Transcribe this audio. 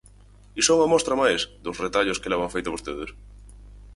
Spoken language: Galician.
Iso é unha mostra máis dos retallos que levan feito vostedes.